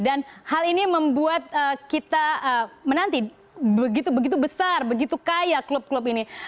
dan hal ini membuat kita menanti begitu besar begitu kaya klub klub ini